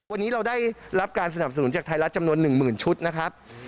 วันนี้เราได้รับการสนับสนุนจากไทยรัฐจำนวน๑๐๐๐ชุดนะครับ